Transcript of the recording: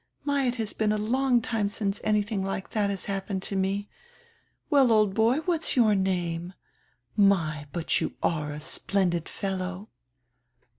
My, it has been a long time since anything like that has happened to me. Well, old boy, what's your name? My, but you are a splendid fellow!"